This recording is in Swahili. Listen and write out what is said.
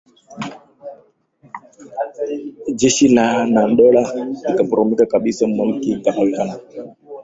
jeshi na dola vikaporomoka kabisa Milki ikagawiwa na